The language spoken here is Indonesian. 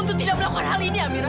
untuk tidak melakukan hal ini amira